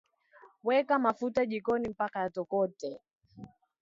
weka mafuta jikoni mpaka yatokote